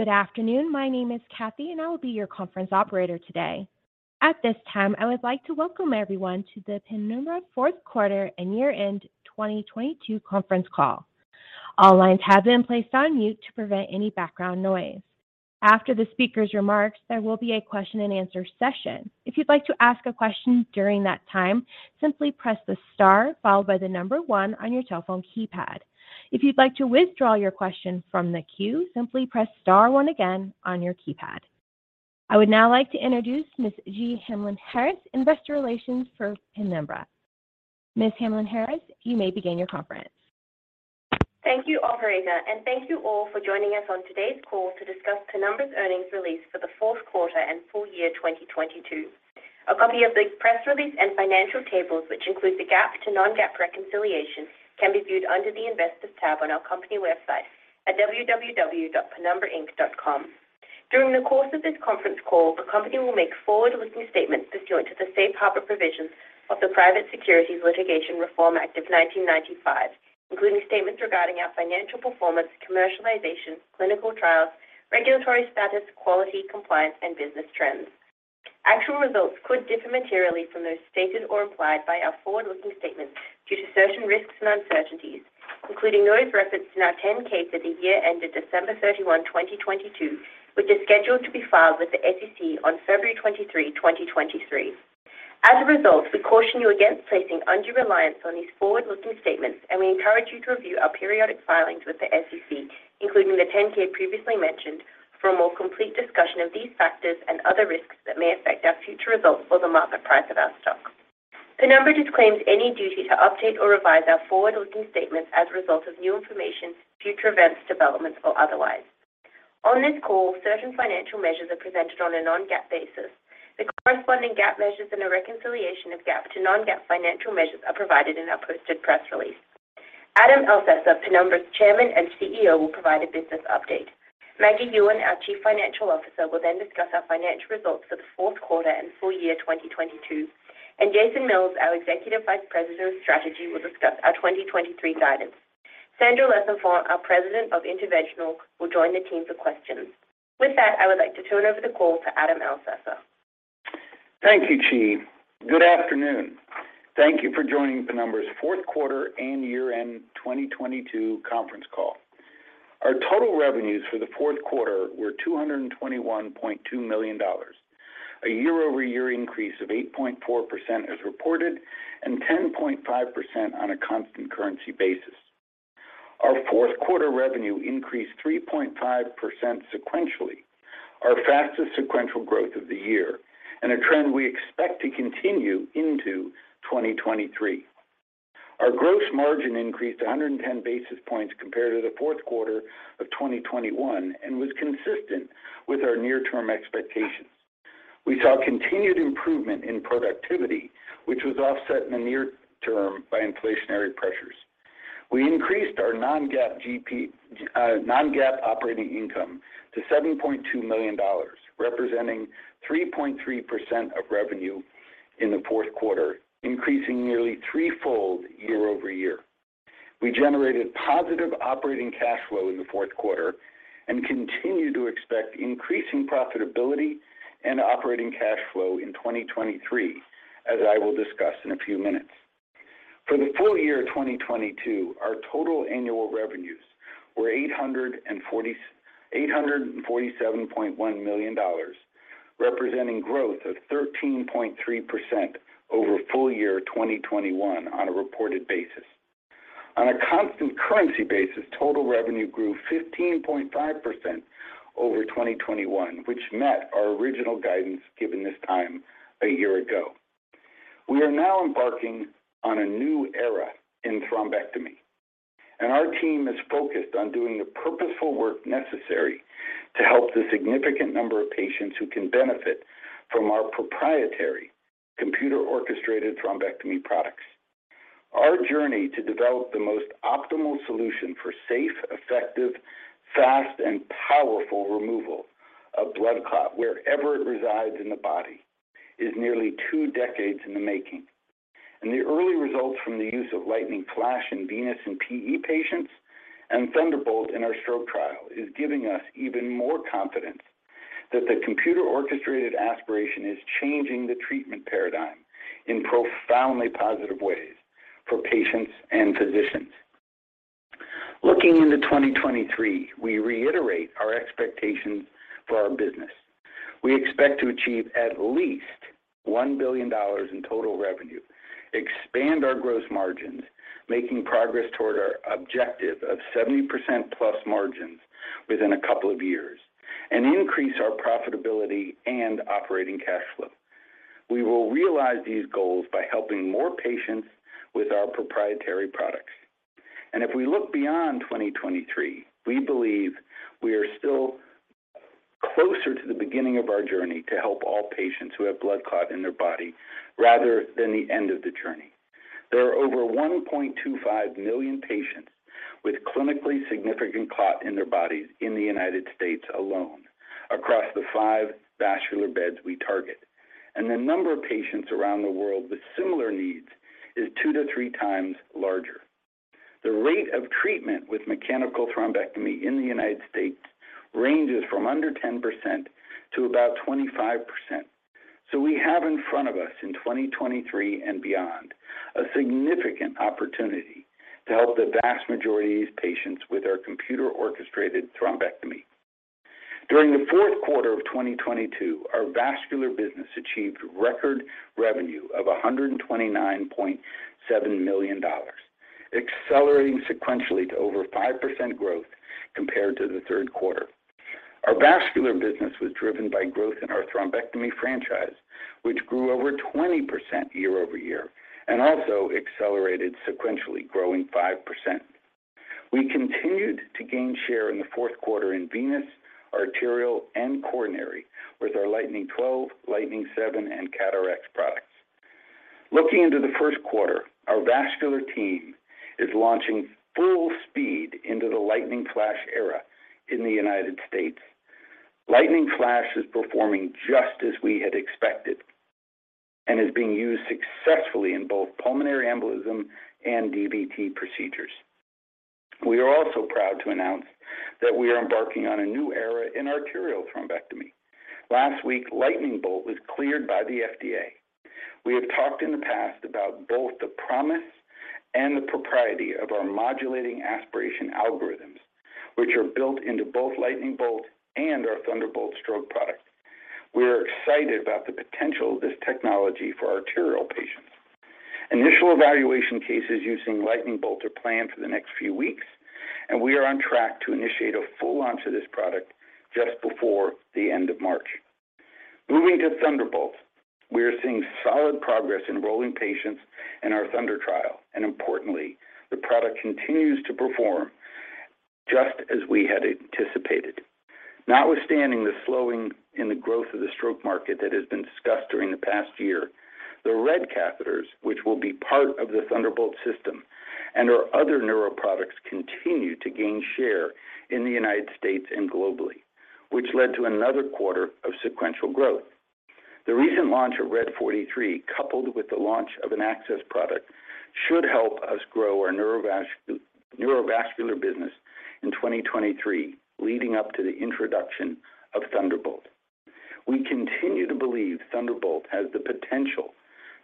Good afternoon. My name is Kathy, and I will be your conference operator today. At this time, I would like to welcome everyone to the Penumbra fourth quarter and year-end 2022 conference call. All lines have been placed on mute to prevent any background noise. After the speaker's remarks, there will be a question-and-answer session. If you'd like to ask a question during that time, simply press the star followed by one on your telephone keypad. If you'd like to withdraw your question from the queue, simply press star one again on your keypad. I would now like to introduce Ms. Jee Hamlyn-Harris, investor relations for Penumbra. Ms. Hamlyn-Harris, you may begin your conference. Thank you, operator. Thank you all for joining us on today's call to discuss Penumbra's earnings release for the fourth quarter and full-year 2022. A copy of the press release and financial tables, which includes the GAAP to non-GAAP reconciliation, can be viewed under the Investors tab on our company website at www.penumbrainc.com. During the course of this conference call, the company will make forward-looking statements pursuant to the safe harbor provisions of the Private Securities Litigation Reform Act of 1995, including statements regarding our financial performance, commercialization, clinical trials, regulatory status, quality, compliance, and business trends. Actual results could differ materially from those stated or implied by our forward-looking statements due to certain risks and uncertainties, including those referenced in our 10-K for the year ended December 31, 2022, which is scheduled to be filed with the SEC on February 23, 2023. As a result, we caution you against placing undue reliance on these forward-looking statements. We encourage you to review our periodic filings with the SEC, including the 10-K previously mentioned, for a more complete discussion of these factors and other risks that may affect our future results or the market price of our stock. Penumbra disclaims any duty to update or revise our forward-looking statements as a result of new information, future events, developments, or otherwise. On this call, certain financial measures are presented on a non-GAAP basis. The corresponding GAAP measures and a reconciliation of GAAP to non-GAAP financial measures are provided in our posted press release. Adam Elsesser, Penumbra's Chairman and CEO, will provide a business update. Maggie Yuen, our Chief Financial Officer, will then discuss our financial results for the fourth quarter and full-year 2022. Jason Mills, our Executive Vice President of Strategy, will discuss our 2023 guidance. Sandra Lesenfants, our President of Interventional, will join the team for questions. With that, I would like to turn over the call to Adam Elsesser. Thank you, Jee. Good afternoon. Thank you for joining Penumbra's fourth quarter and year-end 2022 conference call. Our total revenues for the fourth quarter were $221.2 million, a year-over-year increase of 8.4% as reported and 10.5% on a constant currency basis. Our fourth quarter revenue increased 3.5% sequentially, our fastest sequential growth of the year, and a trend we expect to continue into 2023. Our gross margin increased 110 basis points compared to the fourth quarter of 2021 and was consistent with our near-term expectations. We saw continued improvement in productivity, which was offset in the near term by inflationary pressures. We increased our non-GAAP operating income to $7.2 million, representing 3.3% of revenue in the fourth quarter, increasing nearly threefold year-over-year. We generated positive operating cash flow in the fourth quarter and continue to expect increasing profitability and operating cash flow in 2023, as I will discuss in a few minutes. For the full-year 2022, our total annual revenues were $847.1 million, representing growth of 13.3% over full-year 2021 on a reported basis. On a constant currency basis, total revenue grew 15.5% over 2021, which met our original guidance given this time a year ago. We are now embarking on a new era in thrombectomy, and our team is focused on doing the purposeful work necessary to help the significant number of patients who can benefit from our proprietary computer-orchestrated thrombectomy products. Our journey to develop the most optimal solution for safe, effective, fast, and powerful removal of blood clot wherever it resides in the body is nearly two decades in the making. The early results from the use of Lightning Flash in venous and PE patients and Thunderbolt in our stroke trial is giving us even more confidence that the computer-orchestrated aspiration is changing the treatment paradigm in profoundly positive ways for patients and physicians. Looking into 2023, we reiterate our expectations for our business. We expect to achieve at least $1 billion in total revenue, expand our gross margins, making progress toward our objective of 70%+ margins within a couple of years, and increase our profitability and operating cash flow. We will realize these goals by helping more patients with our proprietary products. If we look beyond 2023, we believe we are still closer to the beginning of our journey to help all patients who have blood clot in their body rather than the end of the journey. There are over 1.25 million patients with clinically significant clot in their bodies in the United States alone across the five vascular beds we target. The number of patients around the world with similar needs is 2-3 times larger. The rate of treatment with mechanical thrombectomy in the United States ranges from under 10% to about 25%. We have in front of us in 2023 and beyond, a significant opportunity to help the vast majority of these patients with our computer-orchestrated thrombectomy. During the fourth quarter of 2022, our vascular business achieved record revenue of $129.7 million, accelerating sequentially to over 5% growth compared to the third quarter. Our vascular business was driven by growth in our thrombectomy franchise, which grew over 20% year-over-year and also accelerated sequentially, growing 5%. We continued to gain share in the fourth quarter in venous, arterial, and coronary with our Lightning 12, Lightning 7, and CAT RX products. Looking into the first quarter, our vascular team is launching full speed into the Lightning Flash era in the United States. Lightning Flash is performing just as we had expected and is being used successfully in both pulmonary embolism and DVT procedures. We are also proud to announce that we are embarking on a new era in arterial thrombectomy. Last week, Lightning Bolt was cleared by the FDA. We have talked in the past about both the promise and the propriety of our modulating aspiration algorithms, which are built into both Lightning Bolt and our Thunderbolt stroke product. We are excited about the potential of this technology for arterial patients. Initial evaluation cases using Lightning Bolt are planned for the next few weeks, and we are on track to initiate a full launch of this product just before the end of March. Moving to Thunderbolt, we are seeing solid progress enrolling patients in our THUNDER trial, and importantly, the product continues to perform just as we had anticipated. Notwithstanding the slowing in the growth of the stroke market that has been discussed during the past year, the RED catheters, which will be part of the Thunderbolt system and our other neuro products, continue to gain share in the United States and globally, which led to another quarter of sequential growth. The recent launch of RED 43, coupled with the launch of an access product, should help us grow our neurovascular business in 2023, leading up to the introduction of Thunderbolt. We continue to believe Thunderbolt has the potential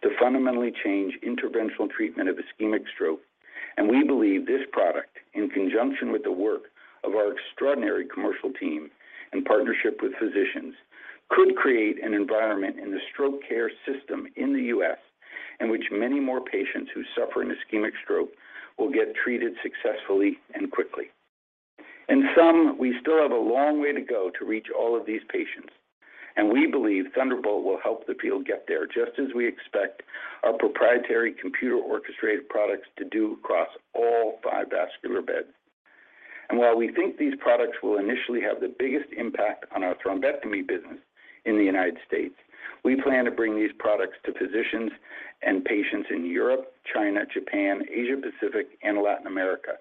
to fundamentally change interventional treatment of ischemic stroke. We believe this product, in conjunction with the work of our extraordinary commercial team in partnership with physicians, could create an environment in the stroke care system in the U.S. in which many more patients who suffer an ischemic stroke will get treated successfully and quickly. In sum, we still have a long way to go to reach all of these patients. We believe Thunderbolt will help the field get there, just as we expect our proprietary computer-orchestrated products to do across all five vascular beds. While we think these products will initially have the biggest impact on our thrombectomy business in the United States, we plan to bring these products to physicians and patients in Europe, China, Japan, Asia, Pacific, and Latin America,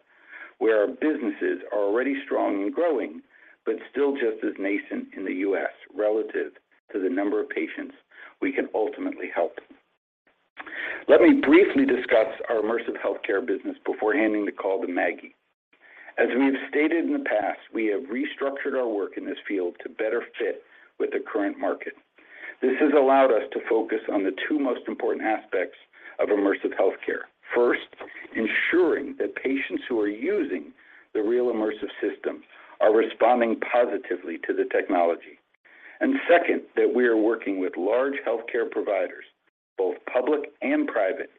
where our businesses are already strong and growing but still just as nascent in the U.S. relative to the number of patients we can ultimately help. Let me briefly discuss our immersive healthcare business before handing the call to Maggie. As we have stated in the past, we have restructured our work in this field to better fit with the current market. This has allowed us to focus on the two most important aspects of immersive healthcare. First, ensuring that patients who are using the REAL Immersive System are responding positively to the technology. Second, that we are working with large healthcare providers, both public and private,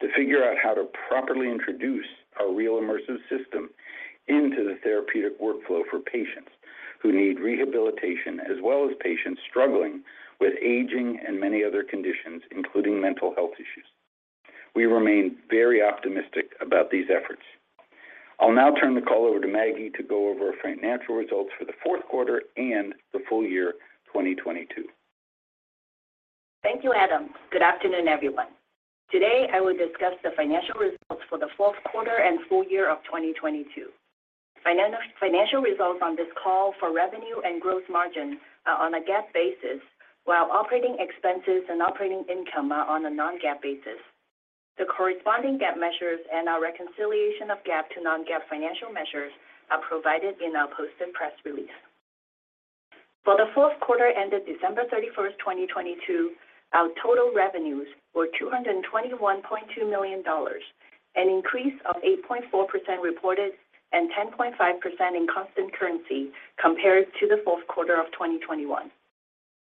to figure out how to properly introduce our REAL Immersive System into the therapeutic workflow for patients who need rehabilitation, as well as patients struggling with aging and many other conditions, including mental health issues. We remain very optimistic about these efforts. I'll now turn the call over to Maggie to go over our financial results for the fourth quarter and the full-year 2022. Thank you, Adam. Good afternoon, everyone. Today, I will discuss the financial results for the fourth quarter and full-year of 2022. Financial results on this call for revenue and growth margins are on a GAAP basis, while operating expenses and operating income are on a non-GAAP basis. The corresponding GAAP measures and our reconciliation of GAAP to non-GAAP financial measures are provided in our posted press release. For the fourth quarter ended December 31st, 2022, our total revenues were $221.2 million, an increase of 8.4% reported and 10.5% in constant currency compared to the fourth quarter of 2021.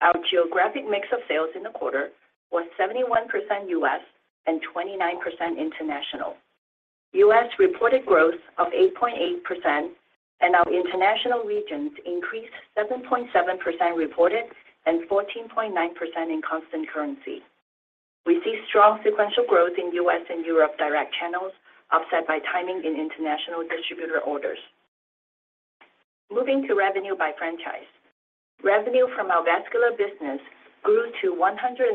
Our geographic mix of sales in the quarter was 71% U.S. and 29% international. U.S. reported growth of 8.8% and our international regions increased 7.7% reported and 14.9% in constant currency. We see strong sequential growth in U.S. and Europe direct channels offset by timing in international distributor orders. Moving to revenue by franchise. Revenue from our vascular business grew to $129.7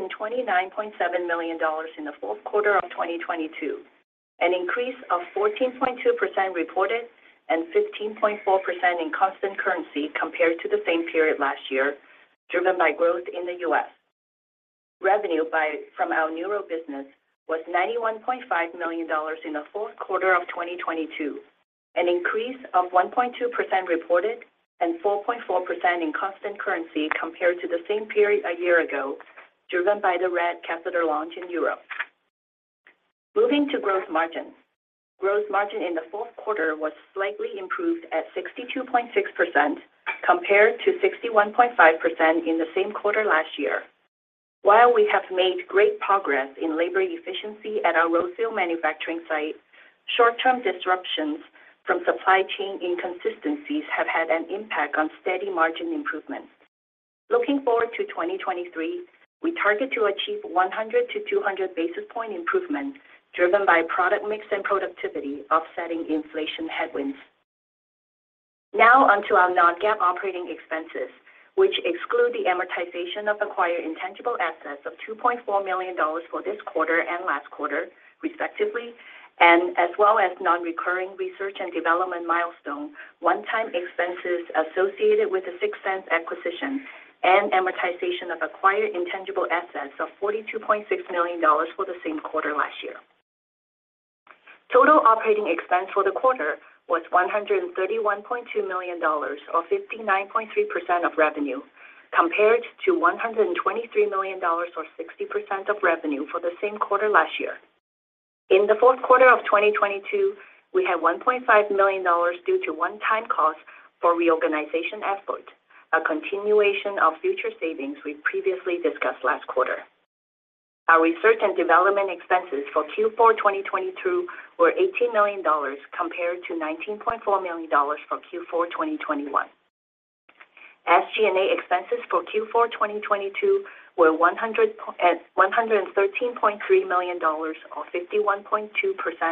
million in the fourth quarter of 2022, an increase of 14.2% reported and 15.4% in constant currency compared to the same period last year, driven by growth in the U.S. Revenue from our neuro business was $91.5 million in the fourth quarter of 2022, an increase of 1.2% reported and 4.4% in constant currency compared to the same period a year ago, driven by the RED catheter launch in Europe. Moving to gross margin. Gross margin in the fourth quarter was slightly improved at 62.6% compared to 61.5% in the same quarter last year. While we have made great progress in labor efficiency at our Roseville manufacturing site, short-term disruptions from supply chain inconsistencies have had an impact on steady margin improvement. Looking forward to 2023, we target to achieve 100 to 200 basis point improvement driven by product mix and productivity offsetting inflation headwinds. Now on to our non-GAAP operating expenses, which exclude the amortization of acquired intangible assets of $2.4 million for this quarter and last quarter, respectively, and as well as non-recurring research and development milestone, one-time expenses associated with the Sixense acquisition, and amortization of acquired intangible assets of $42.6 million for the same quarter last year. Total operating expense for the quarter was $131.2 million or 59.3% of revenue, compared to $123 million or 60% of revenue for the same quarter last year. In the fourth quarter of 2022, we had $1.5 million due to one-time cost for reorganization effort, a continuation of future savings we previously discussed last quarter. Our research and development expenses for Q4 2022 were $18 million compared to $19.4 million for Q4 2021. SG&A expenses for Q4 2022 were $113.3 million or 51.2%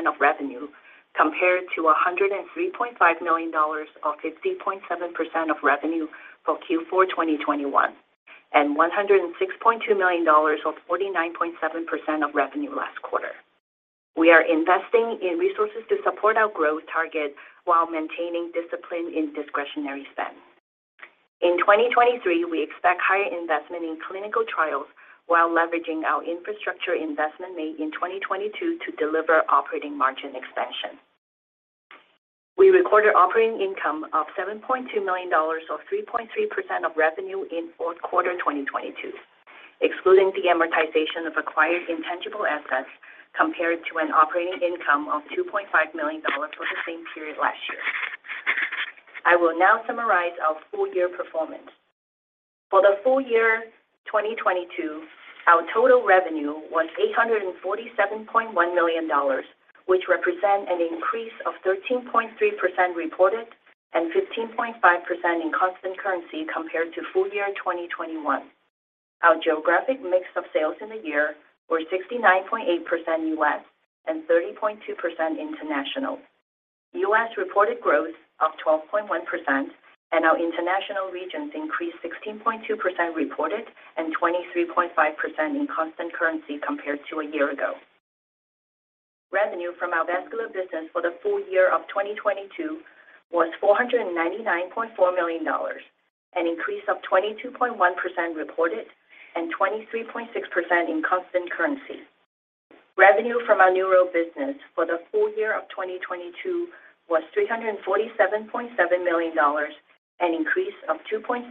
of revenue, compared to $103.5 million or 50.7% of revenue for Q4 2021, and $106.2 million or 49.7% of revenue last quarter. We are investing in resources to support our growth target while maintaining discipline in discretionary spend. In 2023, we expect higher investment in clinical trials while leveraging our infrastructure investment made in 2022 to deliver operating margin expansion. We recorded operating income of $7.2 million or 3.3% of revenue in fourth quarter 2022, excluding the amortization of acquired intangible assets, compared to an operating income of $2.5 million for the same period last year. I will now summarize our full-year performance. For the full-year 2022, our total revenue was $847.1 million, which represent an increase of 13.3% reported and 15.5% in constant currency compared to full-year 2021. Our geographic mix of sales in the year were 69.8% U.S. and 30.2% international. U.S. reported growth of 12.1% and our international regions increased 16.2% reported and 23.5% in constant currency compared to a year ago. Revenue from our vascular business for the full-year of 2022 was $499.4 million, an increase of 22.1% reported and 23.6% in constant currency. Revenue from our neuro business for the full-year of 2022 was $347.7 million, an increase of 2.7%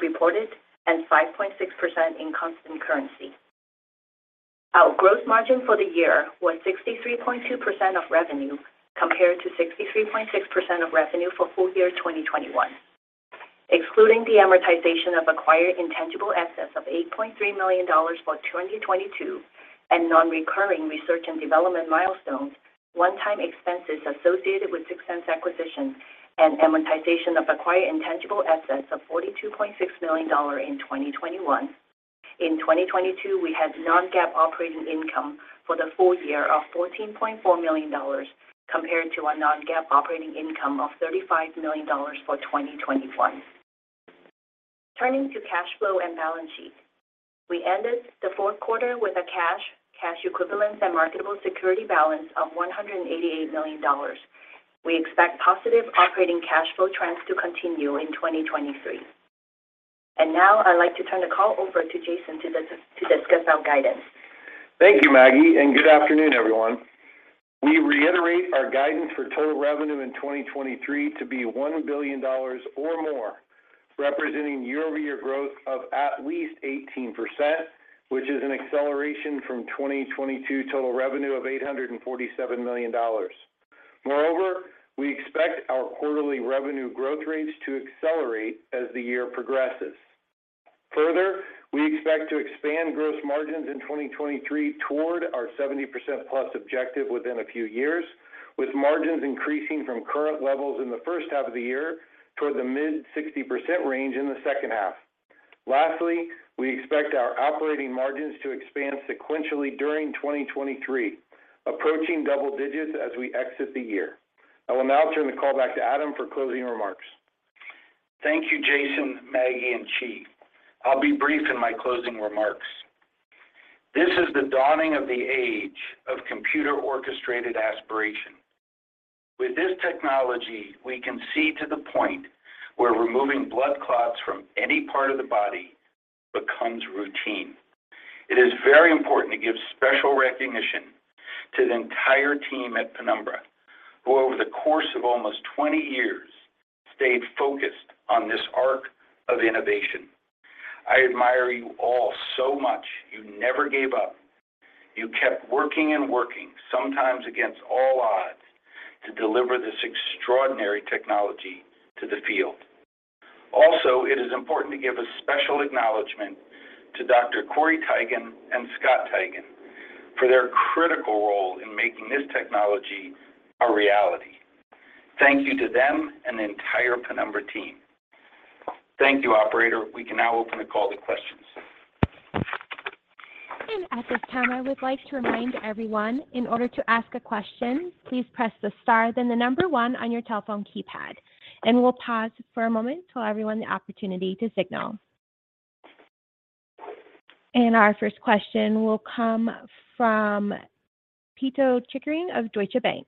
reported and 5.6% in constant currency. Our gross margin for the year was 63.2% of revenue compared to 63.6% of revenue for full-year 2021. Excluding the amortization of acquired intangible assets of $8.3 million for 2022 and non-recurring research and development milestones, one-time expenses associated with Sixense acquisition and amortization of acquired intangible assets of $42.6 million in 2021. In 2022, we had non-GAAP operating income for the full-year of $14.4 million compared to a non-GAAP operating income of $35 million for 2021. Turning to cash flow and balance sheet. We ended the fourth quarter with a cash equivalents, and marketable security balance of $188 million. We expect positive operating cash flow trends to continue in 2023. Now I'd like to turn the call over to Jason to discuss our guidance. Thank you, Maggie, and good afternoon, everyone. We reiterate our guidance for total revenue in 2023 to be $1 billion or more, representing year-over-year growth of at least 18%, which is an acceleration from 2022 total revenue of $847 million. Moreover, we expect our quarterly revenue growth rates to accelerate as the year progresses. Further, we expect to expand gross margins in 2023 toward our 70%+ objective within a few years, with margins increasing from current levels in the first half of the year toward the mid-60% range in the second half. Lastly, we expect our operating margins to expand sequentially during 2023, approaching double digits as we exit the year. I will now turn the call back to Adam for closing remarks. Thank you, Jason, Maggie, and Jee. I'll be brief in my closing remarks. This is the dawning of the age computer-orchestrated aspiration. With this technology, we can see to the point where removing blood clots from any part of the body becomes routine. It is very important to give special recognition to the entire team at Penumbra, who over the course of almost 20 years stayed focused on this arc of innovation. I admire you all so much. You never gave up. You kept working and working, sometimes against all odds, to deliver this extraordinary technology to the field. Also, it is important to give a special acknowledgement to Dr. Corey Teigen and Scott Teigen for their critical role in making this technology a reality. Thank you to them and the entire Penumbra team. Thank you, operator. We can now open the call to questions. At this time, I would like to remind everyone in order to ask a question, please press the star, then the one on your telephone keypad, and we'll pause for a moment to allow everyone the opportunity to signal. Our first question will come from Pito Chickering of Deutsche Bank.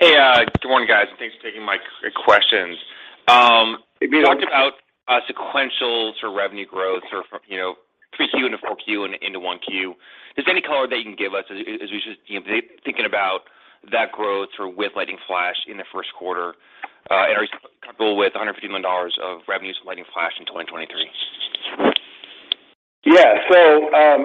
Hey, good morning, guys, and thanks for taking my questions. You talked about sequential sort of revenue growth or from, you know, 3Q into 4Q and into 1Q. Is there any color that you can give us as we should, you know, thinking about that growth or with Lightning Flash in the first quarter, and are you comfortable with $150 million of revenues from Lightning Flash in 2023? Yeah.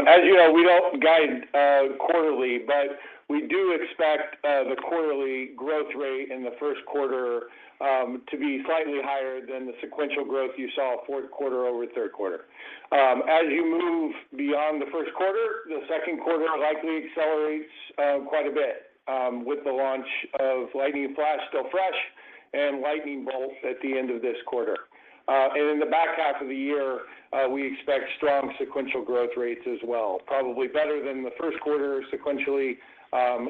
As you know, we don't guide quarterly, but we do expect the quarterly growth rate in the first quarter to be slightly higher than the sequential growth you saw fourth quarter over third quarter. As you move beyond the first quarter, the second quarter likely accelerates quite a bit with the launch of Lightning Flash still fresh and Lightning Bolt at the end of this quarter. In the back half of the year, we expect strong sequential growth rates as well, probably better than the first quarter sequentially,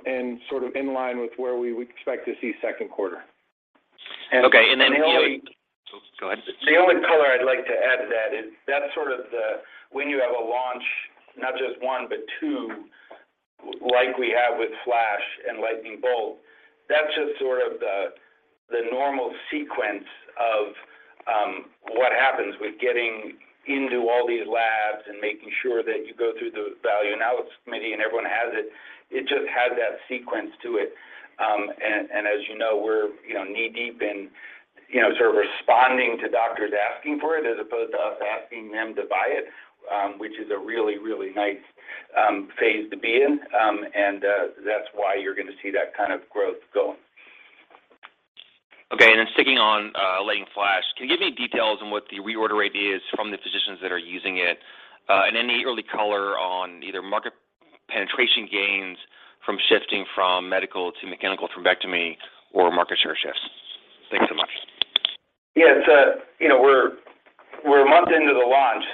and sort of in line with where we would expect to see second quarter. Okay. Go ahead. The only color I'd like to add to that is that's sort of the... when you have a launch, not just one, but two, like we have with Flash and Thunderbolt, that's just sort of the normal sequence of what happens with getting into all these labs and making sure that you go through the value analysis committee and everyone has it. It just has that sequence to it. And as you know, we're, you know, knee-deep in, you know, sort of responding to doctors asking for it as opposed to us asking them to buy it, which is a really nice phase to be in. That's why you're going to see that kind of growth going. Okay. Sticking on Lightning Flash, can you give any details on what the reorder rate is from the physicians that are using it, and any early color on either market penetration gains from shifting from medical to mechanical thrombectomy or market share shifts? Thanks so much. Yeah. It's, you know, we're a month into the launch,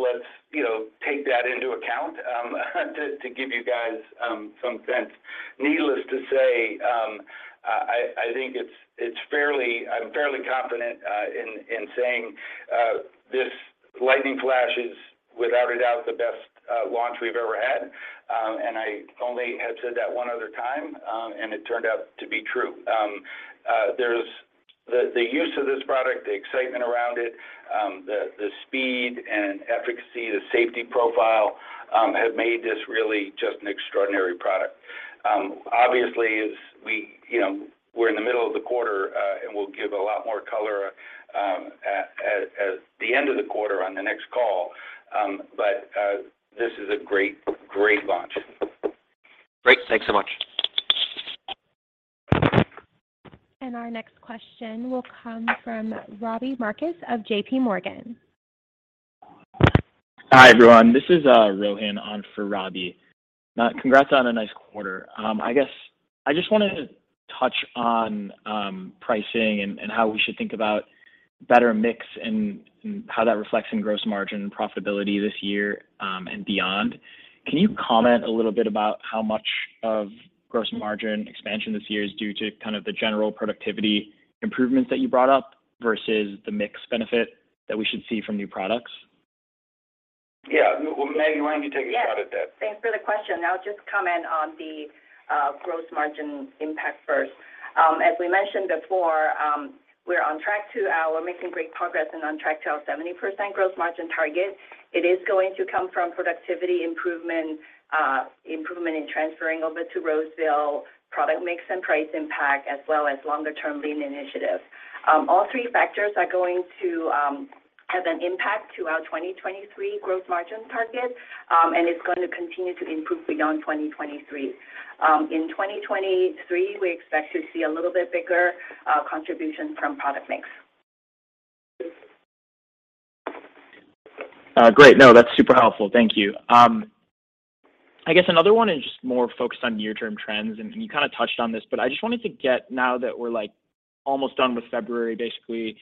let's, you know, take that into account to give you guys some sense. Needless to say, I think I'm fairly confident in saying this Lightning Flash is without a doubt the best launch we've ever had. I only have said that one other time, and it turned out to be true. The use of this product, the excitement around it, the speed and efficacy, the safety profile, have made this really just an extraordinary product. Obviously, as we, you know, we're in the middle of the quarter, and we'll give a lot more color at the end of the quarter on the next call. This is a great launch. Great. Thanks so much. Our next question will come from Robbie Marcus of JPMorgan. Hi, everyone. This is Rohan on for Robbie. Congrats on a nice quarter. I guess I just wanted to touch on pricing and how we should think about better mix and how that reflects in gross margin profitability this year and beyond. Can you comment a little bit about how much of gross margin expansion this year is due to kind of the general productivity improvements that you brought up, versus the mix benefit that we should see from new products? Yeah. Well, Maggie, why don't you take a shot at that? Thanks for the question. I'll just comment on the gross margin impact first. As we mentioned before, we're making great progress and on track to our 70% gross margin target. It is going to come from productivity improvement in transferring over to Roseville, product mix, and price impact, as well as longer-term lean initiatives. All three factors are going to have an impact to our 2023 gross margin target, and it's going to continue to improve beyond 2023. In 2023, we expect to see a little bit bigger contribution from product mix. Great. No, that's super helpful. Thank you. I guess another one is just more focused on near-term trends, and you kind of touched on this, but I just wanted to get now that we're like almost done with February basically,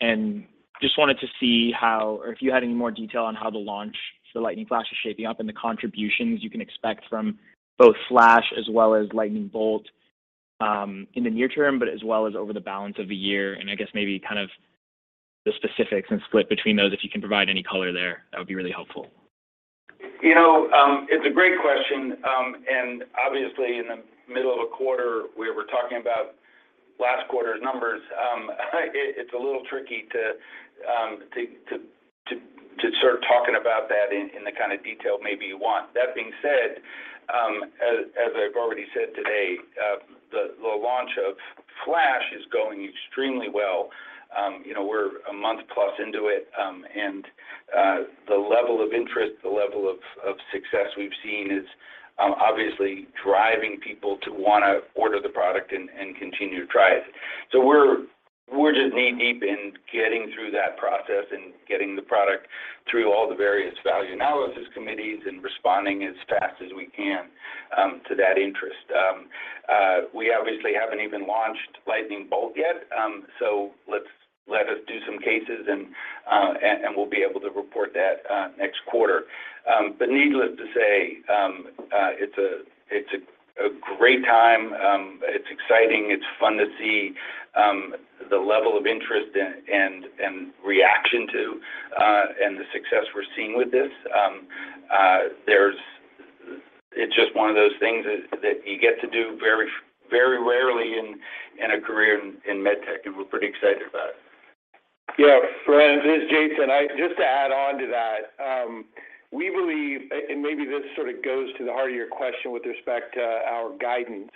and just wanted to see how or if you had any more detail on how the launch, the Lightning Flash is shaping up and the contributions you can expect from both Flash as well as Lightning Bolt, in the near term, but as well as over the balance of the year and I guess maybe kind of the specifics and split between those if you can provide any color there, that would be really helpful. You know, it's a great question. Obviously, in the middle of a quarter, we were talking about last quarter's numbers, it's a little tricky to start talking about that in the kind of detail maybe you want. That being said, as I've already said today, the launch of Flash is going extremely well. You know, we're a month plus into it, and the level of interest, the level of success we've seen is obviously driving people to wanna order the product and continue to try it. We're just knee-deep in getting through that process and getting the product through all the various value analysis committees and responding as fast as we can to that interest. We obviously haven't even launched Lightning Bolt yet, so let us do some cases and we'll be able to report that next quarter. But needless to say, it's a great time. It's exciting. It's fun to see the level of interest and reaction to and the success we're seeing with this. It's just one of those things that you get to do very rarely in a career in med tech, and we're pretty excited about it. Yeah. Rohan, it's Jason. Just to add on to that, we believe, and maybe this sort of goes to the heart of your question with respect to our guidance.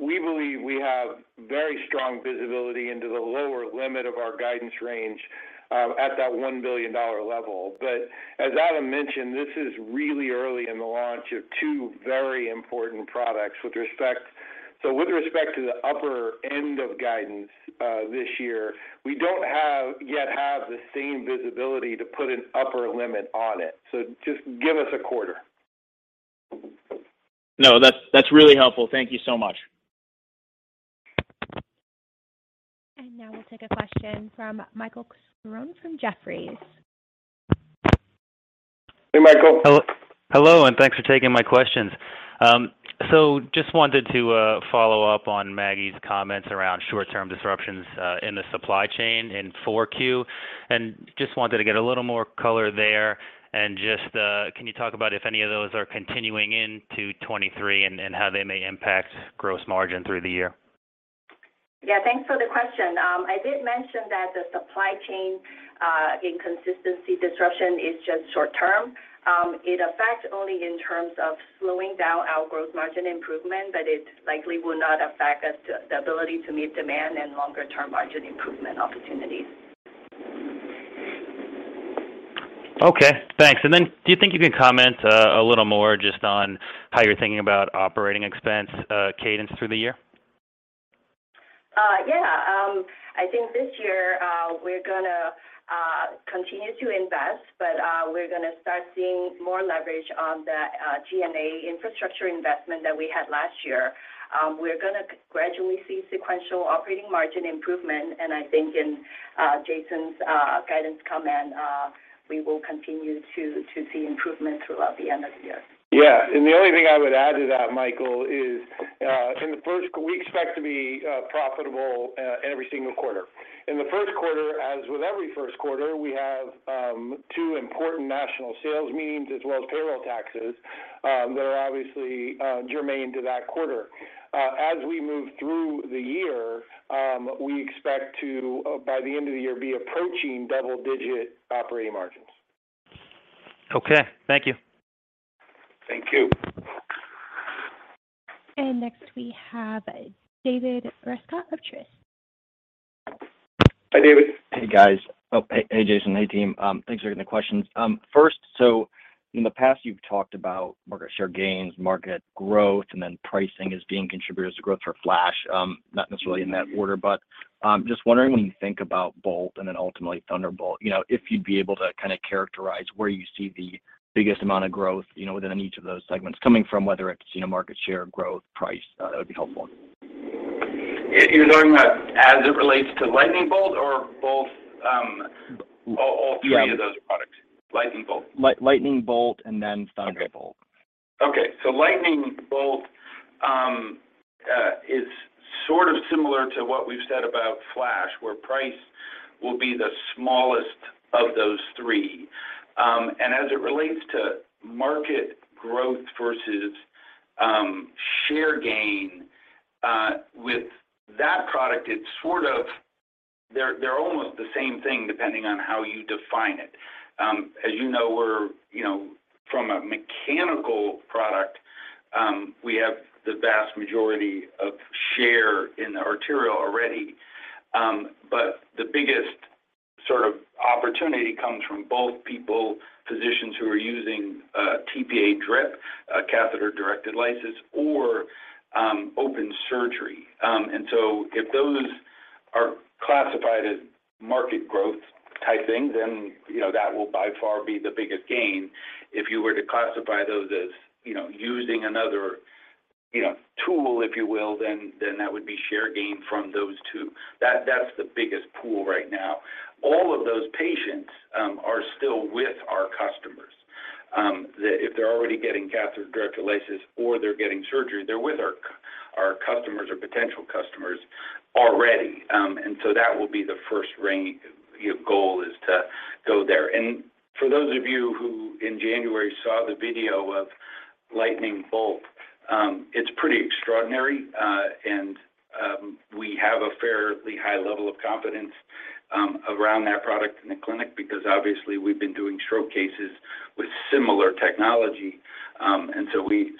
We believe we have very strong visibility into the lower limit of our guidance range, at that $1 billion level. As Adam mentioned, this is really early in the launch of two very important products. With respect to the upper end of guidance, this year, we don't have, yet have the same visibility to put an upper limit on it, so just give us a quarter. No, that's really helpful. Thank you so much. Now we'll take a question from Michael Sarcone from Jefferies. Hey, Michael. Hello. Hello, and thanks for taking my questions. Just wanted to follow up on Maggie's comments around short-term disruptions in the supply chain in 4Q. Just wanted to get a little more color there and just, can you talk about if any of those are continuing into 2023 and how they may impact gross margin through the year? Thanks for the question. I did mention that the supply chain inconsistency disruption is just short term. It affects only in terms of slowing down our growth margin improvement, but it likely will not affect us the ability to meet demand and longer-term margin improvement opportunities. Okay, thanks. Do you think you can comment a little more just on how you're thinking about operating expense cadence through the year? Yeah. I think this year, we're gonna continue to invest, but we're gonna start seeing more leverage on the SG&A infrastructure investment that we had last year. We're gonna gradually see sequential operating margin improvement. I think in Jason's guidance comment, we will continue to see improvement throughout the end of the year. Yeah. The only thing I would add to that, Michael, is, We expect to be profitable every single quarter. In the first quarter, as with every first quarter, we have two important national sales meetings as well as payroll taxes, that are obviously germane to that quarter. As we move through the year, we expect to by the end of the year, be approaching double-digit operating margins. Okay, thank you. Thank you. Next we have David Rescott of Truist. Hi, David. Hey, guys. Oh, hey, Jason. Hey, team. Thanks for taking the questions. First, in the past, you've talked about market share gains, market growth, and then pricing as being contributors to growth for Flash, not necessarily in that order. Just wondering when you think about Bolt and then ultimately Thunderbolt, you know, if you'd be able to kind of characterize where you see the biggest amount of growth, you know, within each of those segments coming from whether it's, you know, market share, growth, price, that would be helpful. You're talking about as it relates to Lightning Bolt or both, all three of those products? Lightning Bolt. Lightning Bolt and then Thunderbolt. Okay. Okay. Lightning Bolt is sort of similar to what we've said about Flash, where price will be the smallest of those three. As it relates to market growth versus share gain with that product, it's sort of they're almost the same thing, depending on how you define it. As you know, we're, you know, from a mechanical product, we have the vast majority of share in arterial already. The biggest sort of opportunity comes from both people, physicians who are using tPA drip, a catheter-directed lysis, or open surgery. If those are classified as market growth type things, you know, that will by far be the biggest gain. If you were to classify those as, you know, using another, you know, tool, if you will, then that would be share gain from those two. That's the biggest pool right now. All of those patients are still with our customers. If they're already getting catheter-directed lysis or they're getting surgery, they're with our customers or potential customers already. So that will be the first ring, you know, goal is to go there. For those of you who in January saw the video of Lightning Bolt, it's pretty extraordinary. We have a fairly high level of confidence around that product in the clinic because obviously we've been doing stroke cases with similar technology.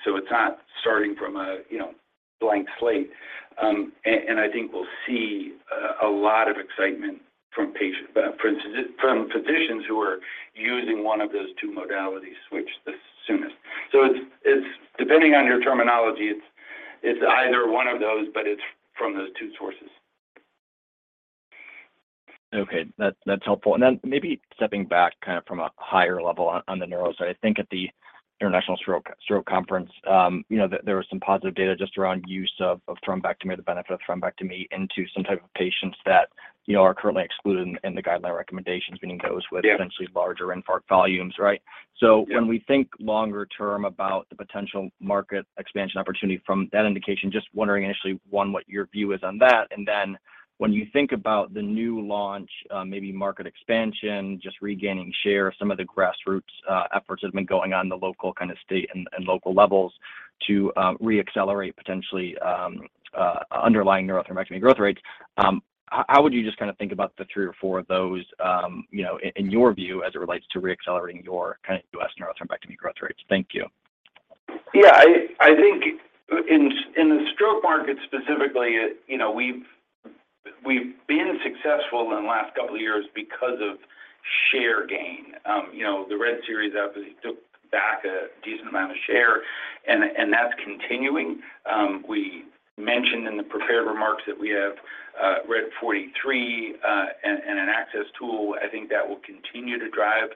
So it's not starting from a, you know, blank slate. I think we'll see a lot of excitement from physicians who are using one of those two modalities, which the soonest. It's, depending on your terminology, it's either one of those, but it's from those two sources. Okay. That's helpful. Maybe stepping back kind of from a higher level on the neuro side. I think at the International Stroke Conference, you know, there was some positive data just around use of thrombectomy or the benefit of thrombectomy into some type of patients that, you know, are currently excluded in the guideline recommendations, meaning those with essentially larger infarct volumes, right? Yeah. When we think longer-term about the potential market expansion opportunity from that indication, just wondering initially, one, what your view is on that. When you think about the new launch, maybe market expansion, just regaining share, some of the grassroots efforts that have been going on in the local kind of state and local levels to reaccelerate potentially underlying neurothrombectomy growth rates, how would you just kinda think about the three or four of those, you know, in your view as it relates to reaccelerating your kind of U.S. neurothrombectomy growth rates? Thank you. Yeah. I think in the stroke market specifically, you know, we've been successful in the last couple of years because of share gain. You know, the RED series obviously took back a decent amount of share and that's continuing. We mentioned in the prepared remarks that we have RED 43 and an access tool. I think that will continue to drive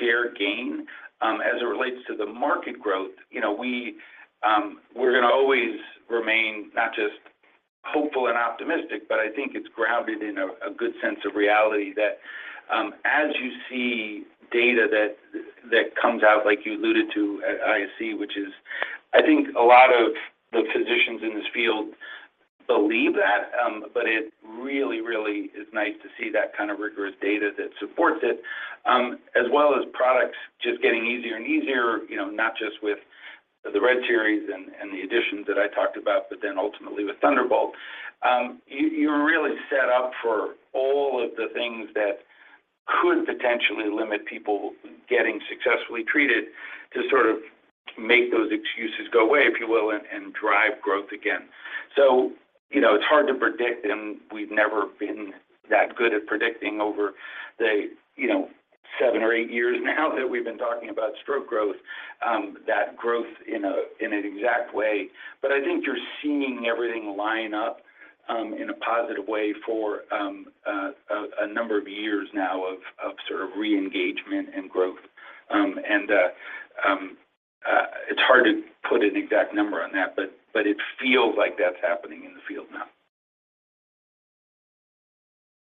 share gain. As it relates to the market growth, you know, we're going to always remain not just hopeful and optimistic, but I think it's grounded in a good sense of reality that, as you see data that comes out, like you alluded to at ISC, which is I think a lot of the physicians in this field believe that, it really is nice to see that kind of rigorous data that supports it. As well as products just getting easier and easier, you know, not just with the RED series and the additions that I talked about, ultimately with Thunderbolt. You're really set up for all of the things that could potentially limit people getting successfully treated to sort of make those excuses go away, if you will, and drive growth again. You know, it's hard to predict, and we've never been that good at predicting over the, you know, seven or eight years now that we've been talking about stroke growth, that growth in an exact way. I think you're seeing everything line up in a positive way for a number of years now of sort of re-engagement and growth. It's hard to put an exact number on that, but it feels like that's happening in the field now.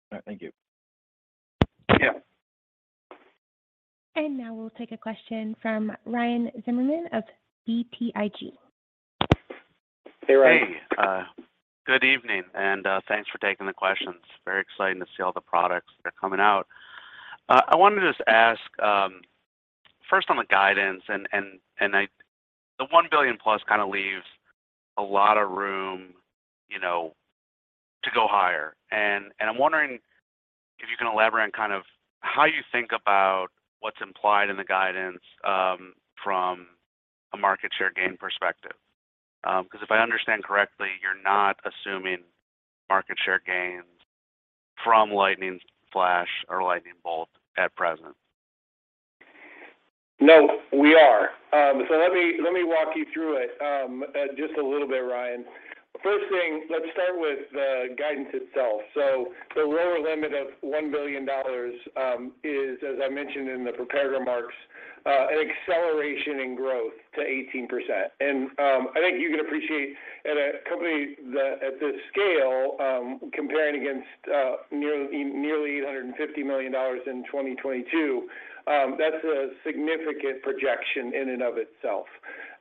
All right. Thank you. Yeah. Now we'll take a question from Ryan Zimmerman of BTIG. Hey, Ryan. Hey. Good evening, thanks for taking the questions. Very exciting to see all the products that are coming out. I wanted to just ask, first on the guidance, the $1 billion plus kinda leaves a lot of room, you know, to go higher. I'm wondering if you can elaborate on kind of how you think about what's implied in the guidance from a market share gain perspective. Because if I understand correctly, you're not assuming market share gains from Lightning Flash or Lightning Bolt at present. No, we are. Let me walk you through it just a little bit, Ryan. First thing, let's start with the guidance itself. The lower limit of $1 billion is, as I mentioned in the prepared remarks, an acceleration in growth to 18%. I think you can appreciate at a company the, at this scale, comparing against nearly $850 million in 2022, that's a significant projection in and of itself.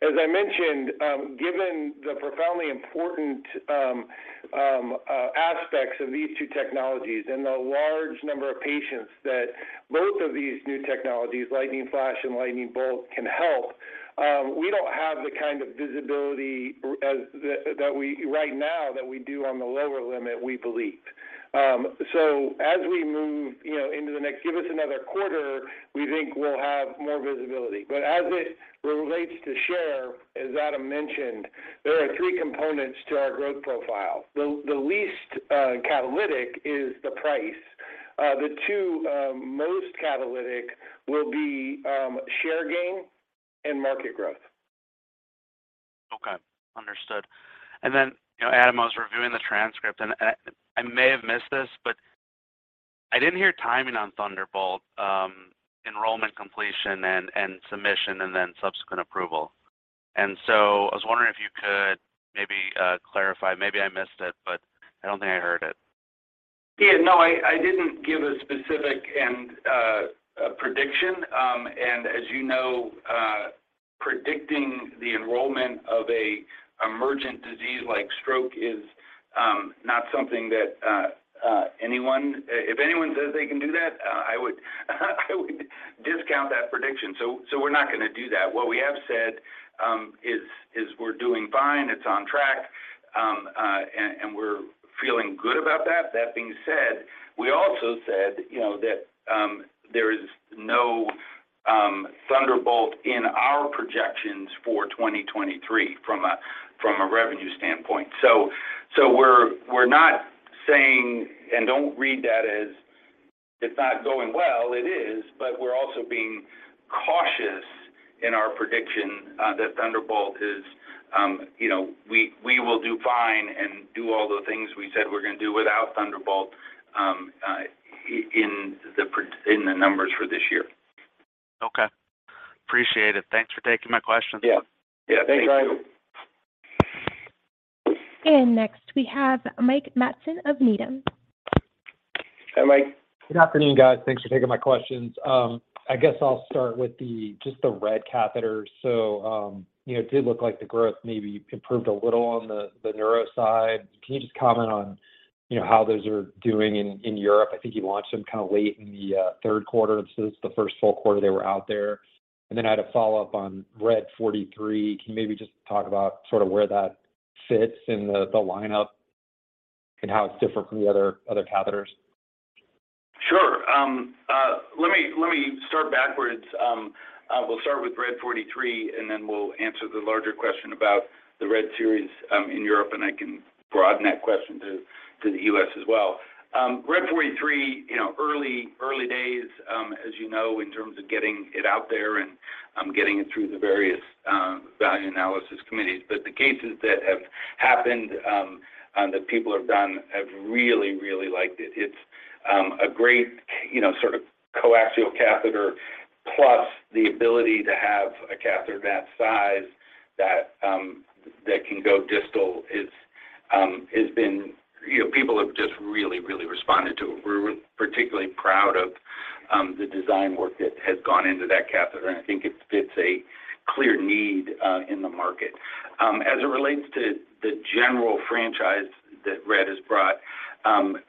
As I mentioned, given the profoundly important aspects of these two technologies and the large number of patients that both of these new technologies, Lightning Flash and Lightning Bolt, can help, we don't have the kind of visibility right now that we do on the lower limit, we believe. Give us another quarter, we think we'll have more visibility. As it relates to share, as Adam mentioned, there are three components to our growth profile. The least catalytic is the price. The two most catalytic will be share gain and market growth. Okay. Understood. You know, Adam, I was reviewing the transcript and I may have missed this, but I didn't hear timing on Thunderbolt enrollment completion and submission and subsequent approval. I was wondering if you could maybe clarify. Maybe I missed it, but I don't think I heard it. Yeah, no, I didn't give a specific and prediction. As you know, predicting the enrollment of a emergent disease like stroke is not something that If anyone says they can do that, I would discount that prediction. We're not gonna do that. What we have said is we're doing fine, it's on track, and we're feeling good about that. That being said, we also said, you know, that there is no Thunderbolt in our projections for 2023 from a revenue standpoint. We're not saying, and don't read that as it's not going well, it is, but we're also being cautious in our prediction that Thunderbolt is, you know, we will do fine and do all the things we said we're gonna do without Thunderbolt in the numbers for this year. Okay. Appreciate it. Thanks for taking my questions. Yeah. Yeah. Thanks, Ryan. Thank you. Next we have Mike Matson of Needham. Hi, Mike. Good afternoon, guys. Thanks for taking my questions. I guess I'll start with the, just the RED catheter. You know, it did look like the growth maybe improved a little on the neuro side. Can you just comment on, you know, how those are doing in Europe? I think you launched them kind of late in the 3rd quarter. This is the first full quarter they were out there. I had a follow-up on RED 43. Can you maybe just talk about sort of where that fits in the lineup and how it's different from the other catheters? Sure. Let me start backwards. We'll start with RED 43, and then we'll answer the larger question about the RED series in Europe, and I can broaden that question to the U.S. as well. RED 43, you know, early days, as you know, in terms of getting it out there and getting it through the various value analysis committees. The cases that have happened that people have done have really liked it. It's a great, you know, sort of coaxial catheter plus the ability to have a catheter that size that can go distal is has been. You know, people have just really responded to it. We're particularly proud of the design work that has gone into that catheter. I think it fits a clear need in the market. As it relates to the general franchise that RED has brought,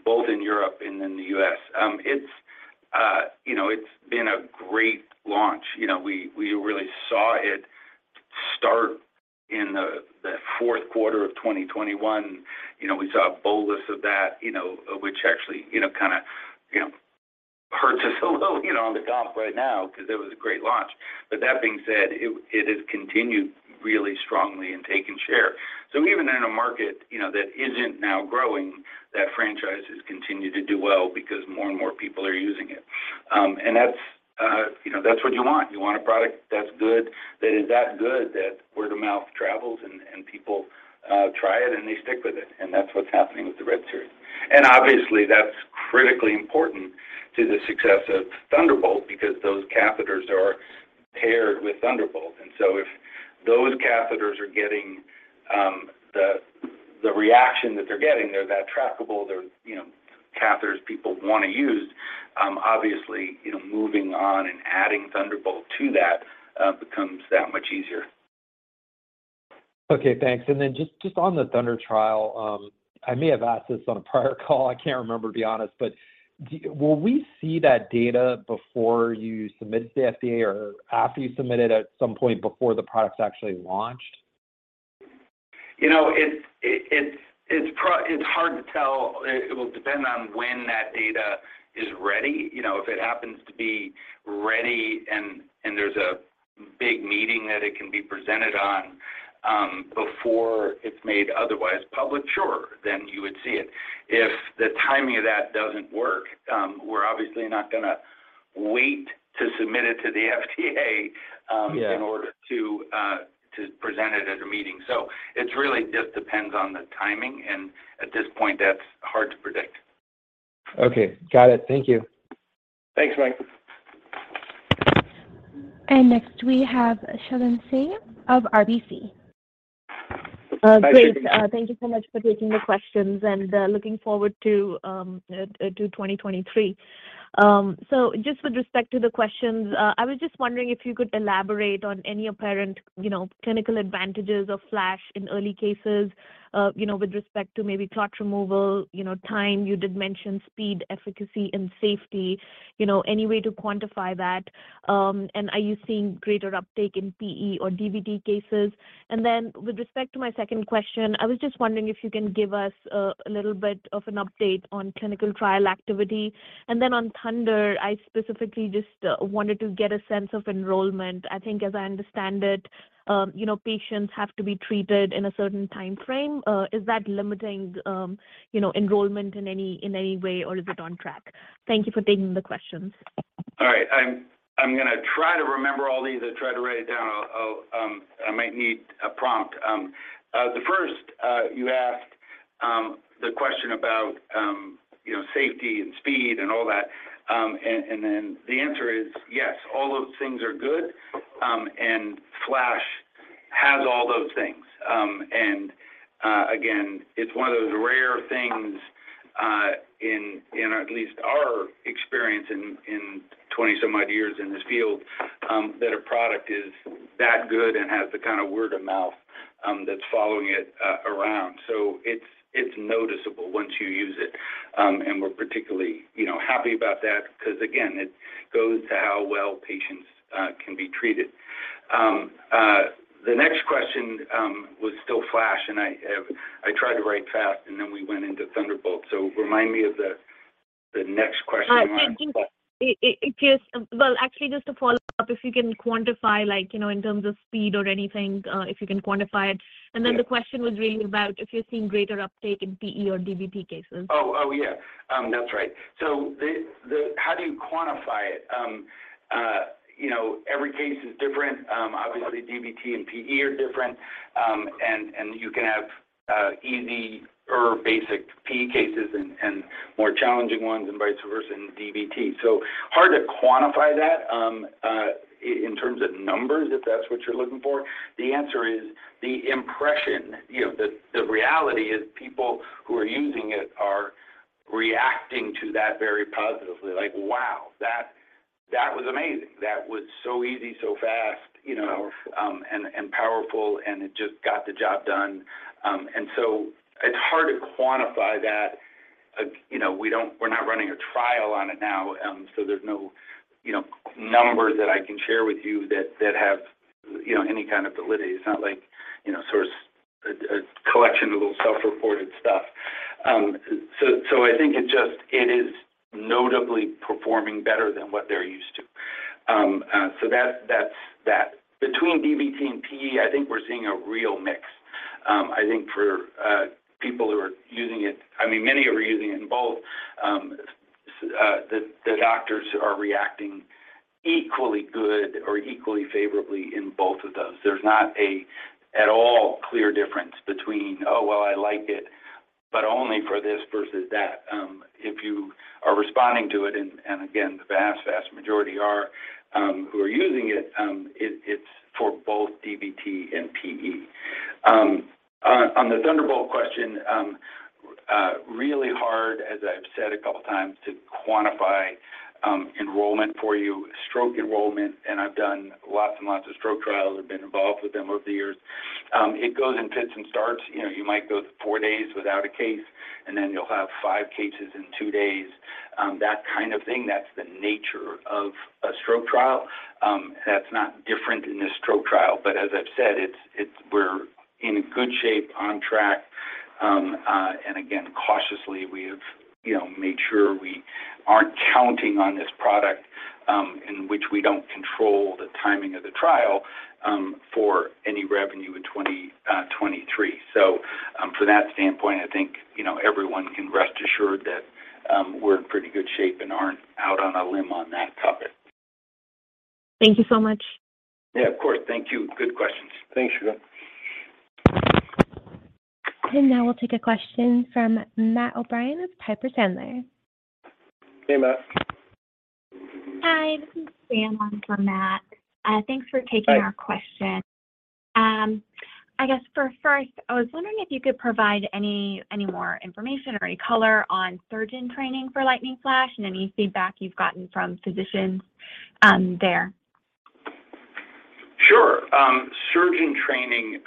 both in Europe and in the U.S., it's, you know, it's been a great launch. You know, we really saw it start in the 4th quarter of 2021. You know, we saw a bolus of that, you know, which actually, you know, kinda, you know, hurts us a little you know, on the top right now 'cause it was a great launch. That being said, it has continued really strongly and taken share. Even in a market, you know, that isn't now growing, that franchise has continued to do well because more and more people are using it. That's, you know, that's what you want. You want a product that's good, that is that good that word of mouth travels and people try it and they stick with it, and that's what's happening with the RED series. Obviously, that's critically important to the success of Thunderbolt because those catheters are paired with Thunderbolt. If those catheters are getting the reaction that they're getting, they're that trackable, they're, you know, catheters people wanna use, obviously, you know, moving on and adding Thunderbolt to that, becomes that much easier. Okay, thanks. Just on the THUNDER trial, I may have asked this on a prior call I can't remember, to be honest, but will we see that data before you submit it to the FDA or after you submit it at some point before the product's actually launched? You know, it's hard to tell. It will depend on when that data is ready. You know, if it happens to be ready and there's a big meeting that it can be presented on, before it's made otherwise public, sure, then you would see it. If the timing of that doesn't work, we're obviously not gonna wait to submit it to the FDA in order to present it at a meeting. It's really just depends on the timing, and at this point, that's hard to predict. Okay. Got it. Thank you. Thanks, Mike. Next, we have Shagun Singh of RBC. Hi, Shagun. Great. Thank you so much for taking the questions and looking forward to 2023. Just with respect to the questions, I was just wondering if you could elaborate on any apparent, you know, clinical advantages of Flash in early cases, you know, with respect to maybe clot removal, you know, time, you did mention speed, efficacy and safety. You know, any way to quantify that? Are you seeing greater uptake in PE or DVT cases? With respect to my second question, I was just wondering if you can give us a little bit of an update on clinical trial activity. Then on THUNDER, I specifically just wanted to get a sense of enrollment. I think as I understand it, you know, patients have to be treated in a certain time frame. Is that limiting, you know, enrollment in any, in any way, or is it on track? Thank you for taking the questions. All right. I'm gonna try to remember all these. I tried to write it down. I'll, I might need a prompt. The first, you asked the question about, you know, safety and speed and all that. The answer is yes, all those things are good. Flash has all those things. Again, it's one of those rare things in at least our experience in 20 some odd years in this field, that a product is that good and has the kind of word of mouth that's following it around. It's noticeable once you use it. We're particularly, you know, happy about that because again, it goes to how well patients can be treated. The next question was still Flash, and I tried to write fast, and then we went into Thunderbolt. Remind me of the next question. I think it Well, actually, just to follow up, if you can quantify, like, you know, in terms of speed or anything, if you can quantify it? The question was really about if you're seeing greater uptake in PE or DVT cases. Yeah. That's right. How do you quantify it? You know, every case is different. Obviously, DVT and PE are different. And you can have easy or basic PE cases and more challenging ones and vice versa in DVT. Hard to quantify that in terms of numbers, if that's what you're looking for. The answer is the impression, you know, the reality is people who are using it are reacting to that very positively. Like, "Wow, that was amazing. That was so easy, so fast, you know, and powerful, and it just got the job done." It's hard to quantify that. You know, we're not running a trial on it now, there's no, you know, numbers that I can share with you that have, you know, any kind of validity. It's not like, you know, sort of a collection of little self-reported stuff. I think it is notably performing better than what they're used to. That's that. Between DVT and PE, I think we're seeing a real mix. I think for people who are using it, I mean, many are using it in both. The doctors are reacting equally good or equally favorably in both of those. There's not a at all clear difference between, "Oh, well, I like it, but only for this versus that." If you are responding to it, and again, the vast majority are, who are using it's for both DVT and PE. On the Thunderbolt question, really hard, as I've said a couple times, to quantify enrollment for you. Stroke enrollment, I've done lots of stroke trials. I've been involved with them over the years. It goes in fits and starts. You know, you might go four days without a case, and then you'll have five cases in two days. That kind of thing, that's the nature of a stroke trial. That's not different in a stroke trial. As I've said, it's, we're in good shape, on track. Again, cautiously, we've, you know, made sure we aren't counting on this product, in which we don't control the timing of the trial, for any revenue in 2023. From that standpoint, I think, you know, everyone can rest assured that, we're in pretty good shape and aren't out on a limb on that topic. Thank you so much. Yeah, of course. Thank you. Good questions. Thanks, Shagun. Now we'll take a question from Matt O'Brien of Piper Sandler. Hey, Matt. Hi, this is Sam on for Matt. Hi. our question. I guess for first, I was wondering if you could provide any more information or any color on surgeon training for Lightning Flash and any feedback you've gotten from physicians, there. Sure. surgeon training,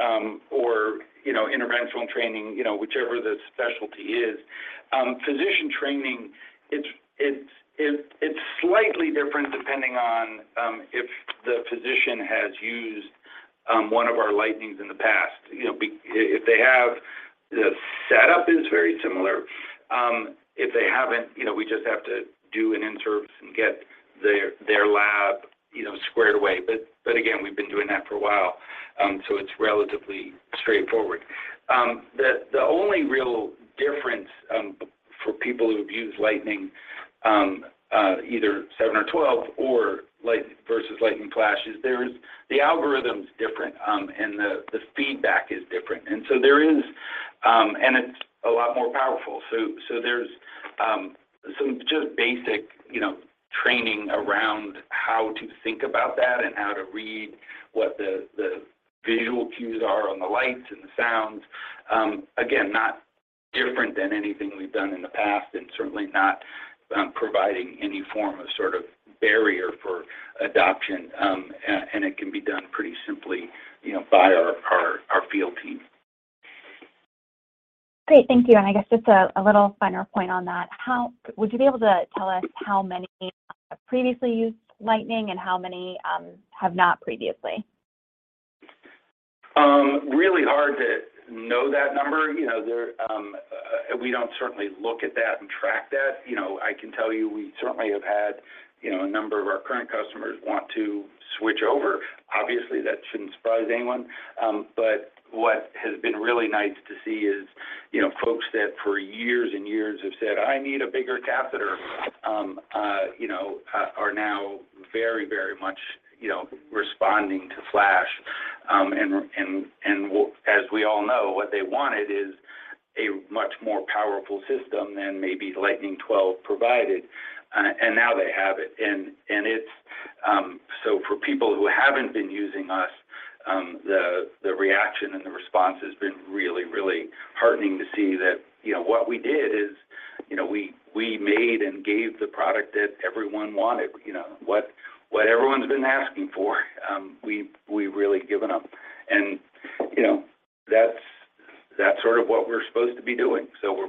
or, you know, interventional training, you know, whichever the specialty is. physician training, it's slightly different depending on if the physician has used one of our Lightnings in the past. You know, if they have, the setup is very similar. If they haven't, you know, we just have to do an in-service and get their lab, you know, squared away. But again, we've been doing that for a while, it's relatively straightforward. The only real difference for people who've used Lightning, either seven or 12 or versus Lightning Flash is there is the algorithm's different, and the feedback is different. There is, and it's a lot more powerful. There's some just basic, you know, training around how to think about that and how to read what the visual cues are on the lights and the sounds. Again, not different than anything we've done in the past and certainly not providing any form of sort of barrier for adoption. And it can be done pretty simply, you know, by our field team. Great. Thank you. I guess just a little finer point on that. Would you be able to tell us how many have previously used Lightning and how many have not previously? Really hard to know that number. You know, there, we don't certainly look at that and track that. You know, I can tell you we certainly have had, you know, a number of our current customers want to switch over. Obviously, that shouldn't surprise anyone. What has been really nice to see is, you know, folks that for years and years have said, "I need a bigger catheter," are now very, very much, you know, responding to Flash. As we all know, what they wanted is a much more powerful system than maybe Lightning 12 provided, and now they have it. It's... For people who haven't been using us, the reaction and the response has been really, really heartening to see that, you know, what we did is, you know, we made and gave the product that everyone wanted. You know? What everyone's been asking for, we've really given them. you know, that's sort of what we're supposed to be doing. we're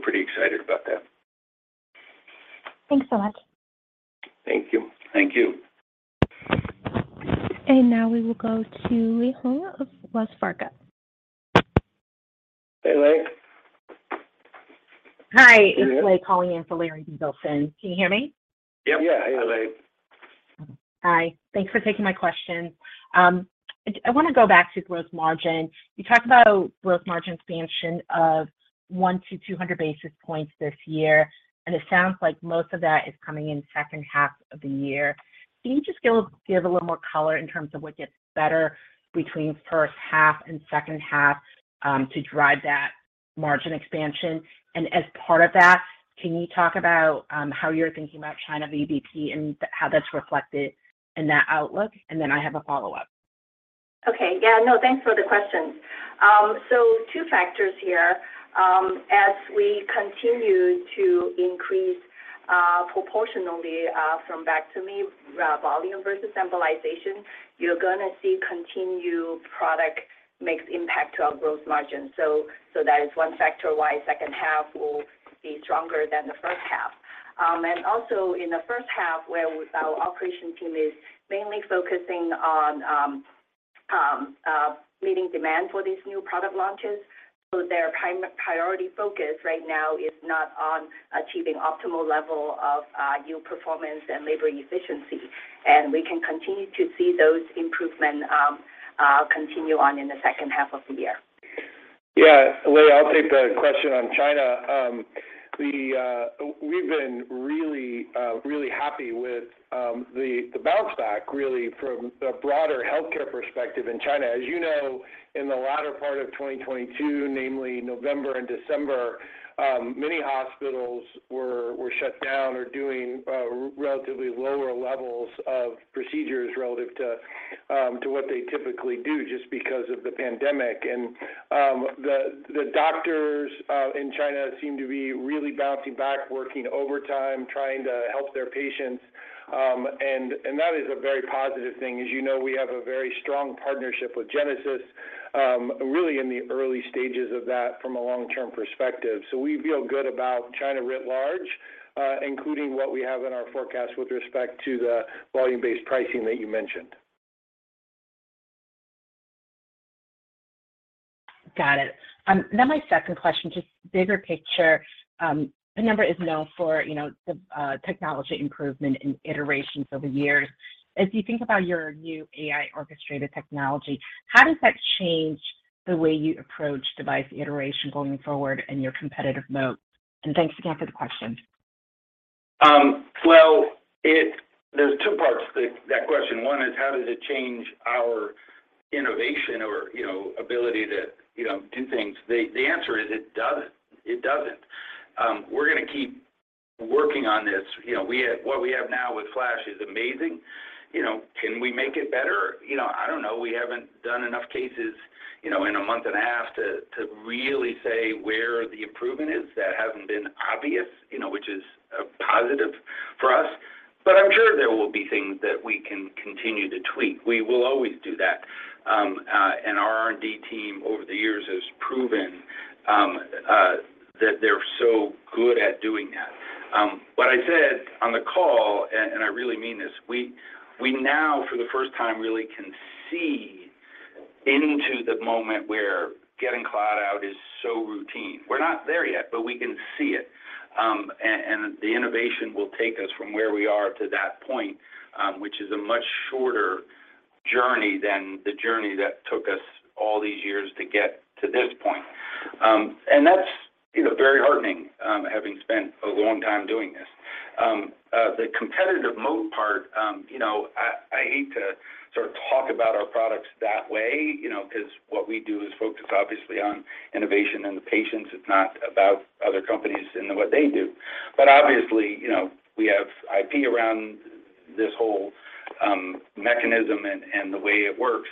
pretty excited about that. Thanks so much. Thank you. Thank you. Now we will go to Lei Huang of Wells Fargo. Hey, Lei. Hi. Hey. It's Lei calling in for Larry Biegelsen. Can you hear me? Yep. Yeah. Hey, Lei. Hi. Thanks for taking my questions. I wanna go back to gross margin. You talked about gross margin expansion of 100-200 basis points this year, and it sounds like most of that is coming in second half of the year. Can you just give a little more color in terms of what gets better between first half and second half, to drive that margin expansion? As part of that, can you talk about, how you're thinking about China VBP and how that's reflected in that outlook? Then I have a follow-up. Okay. Yeah, no, thanks for the questions. Two factors here. As we continue to increase, proportionally, thrombectomy volume versus embolization, you're gonna see continued product mix impact to our growth margin. That is one factor why second half will be stronger than the first half. Also in the first half where our operation team is mainly focusing on meeting demand for these new product launches, so their priority focus right now is not on achieving optimal level of yield performance and labor efficiency. We can continue to see those improvement continue on in the second half of the year. Yeah. Lei, I'll take the question on China. We've been really happy with the bounce back really from the broader healthcare perspective in China. As you know, in the latter part of 2022, namely November and December, many hospitals were shut down or doing relatively lower levels of procedures relative to what they typically do just because of the pandemic. The doctors in China seem to be really bouncing back, working overtime, trying to help their patients. And that is a very positive thing. As you know, we have a very strong partnership with Genesis, really in the early stages of that from a long-term perspective. We feel good about China writ large, including what we have in our forecast with respect to the volume-based pricing that you mentioned. Got it. Now my second question, just bigger picture. Penumbra is known for, you know, the technology improvement and iterations over years. As you think about your new AI orchestrated technology, how does that change the way you approach device iteration going forward and your competitive mode? Thanks again for the question. Well, there's two parts to that question. One is how does it change our innovation or, you know, ability to, you know, do things? The answer is it doesn't. It doesn't. We're gonna keep working on this. You know, what we have now with Flash is amazing. You know, can we make it better? You know, I don't know. We haven't done enough cases, you know, in a month and a half to really say where the improvement is. That hasn't been obvious, you know, which is a positive for us. I'm sure there will be things that we can continue to tweak. We will always do that. Our R&D team over the years has proven that they're so good at doing that. What I said on the call, and I really mean this, we now for the first time really can see into the moment where getting clot out is so routine. We're not there yet, but we can see it. The innovation will take us from where we are to that point, which is a much shorter journey than the journey that took us all these years to get to this point. That's, you know, very heartening, having spent a long time doing this. The competitive mode part, you know, I hate to sort of talk about our products that way, you know, because what we do is focus obviously on innovation and the patients. It's not about other companies and what they do. Obviously, you know, we have IP around this whole mechanism and the way it works.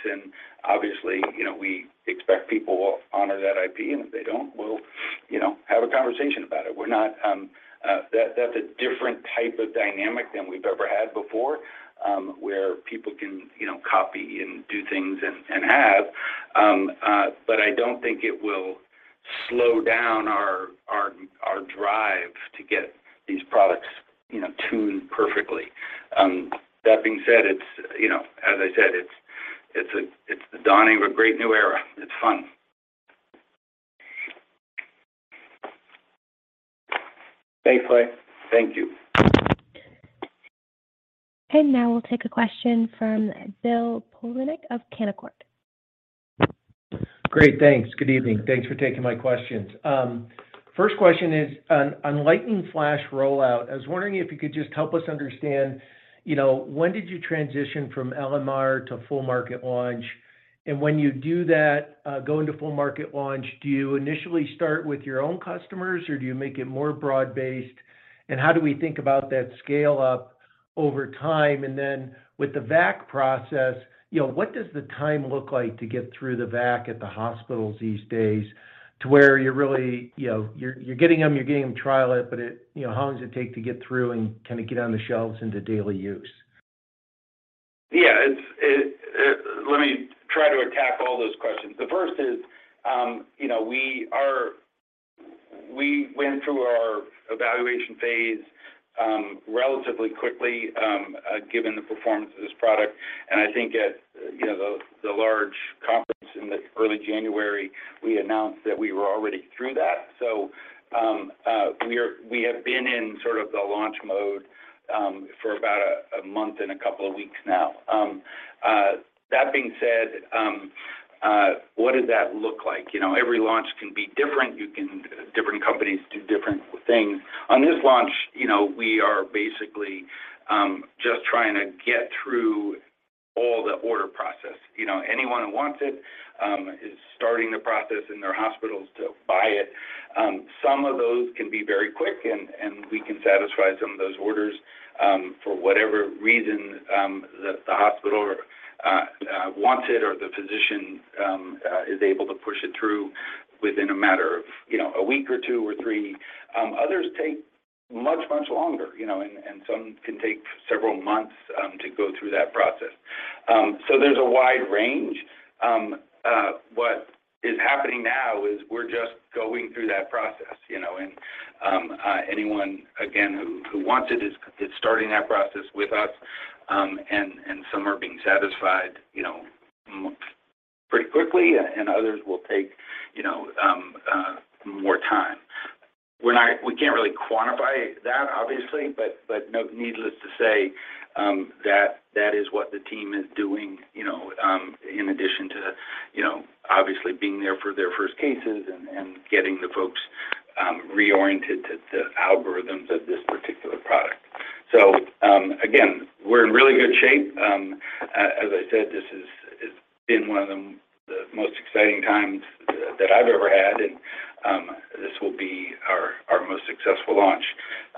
Obviously, you know, we expect people will honor that IP, and if they don't, we'll, you know, have a conversation about it. We're not. That's a different type of dynamic than we've ever had before, where people can, you know, copy and do things and have. I don't think it will slow down our drive to get these products, you know, tuned perfectly. That being said, it's, you know, as I said, it's the dawning of a great new era. It's fun. Thanks, Lei. Thank you. Now we'll take a question from Bill Plovanic of Canaccord. Great. Thanks. Good evening. Thanks for taking my questions. First question is on Lightning Flash rollout. I was wondering if you could just help us understand, you know, when did you transition from LMR to full market launch? When you do that, going to full market launch, do you initially start with your own customers, or do you make it more broad-based? How do we think about that scale up over time? Then with the VAC process, what does the time look like to get through the VAC at the hospitals these days to where you're really, you're getting them trial it, but it, how long does it take to get through and kinda get on the shelves into daily use? Yeah. Let me try to attack all those questions. The first is, you know, we went through our evaluation phase relatively quickly given the performance of this product. I think at, you know, the large conference in early January, we announced that we were already through that. We have been in sort of the launch mode for about a month and a couple of weeks now. That being said, what does that look like? You know, every launch can be different. Different companies do different things. On this launch, you know, we are basically just trying to get through all the order process. You know, anyone who wants it is starting the process in their hospitals to buy it. Some of those can be very quick, and we can satisfy some of those orders, for whatever reason, that the hospital wants it or the physician is able to push it through within a matter of, you know, a week or two or three. Others take much longer, you know, and some can take several months to go through that process. So there's a wide range. What is happening now is we're just going through that process, you know. Anyone, again, who wants it is starting that process with us. Some are being satisfied, you know, pretty quickly, and others will take, you know, more time. We can't really quantify that obviously, but needless to say, that is what the team is doing, you know, in addition to, you know, obviously being there for their first cases and getting the folks reoriented to algorithms of this particular product. Again, we're in really good shape. As I said, it's been one of the most exciting times that I've ever had, and this will be our most successful launch.